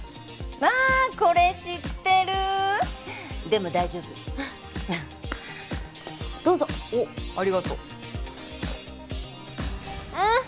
わこれ知ってるでも大丈夫どうぞおっありがとううん！